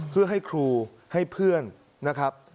เพื่อให้ครูให้เพื่อนนะครับ